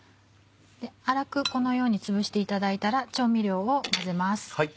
粗くこのようにつぶしていただいたら調味料を混ぜます。